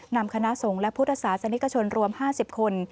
นำคณะสงฆ์และพุทธศาสนิกชนรวม๕๐คน